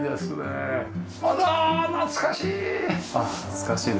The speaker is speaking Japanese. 懐かしい！